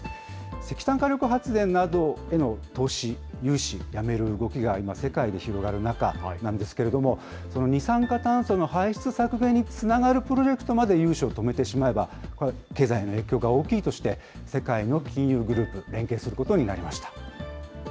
石炭火力発電などへの投資、融資、やめる動きが今、世界で広がる中なんですけれども、二酸化炭素の排出削減につながるプロジェクトまで融資を止めてしまえば、経済への影響が大きいとして、世界の金融グループ、連携することになりました。